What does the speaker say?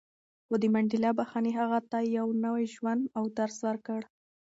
خو د منډېلا بښنې هغه ته یو نوی ژوند او درس ورکړ.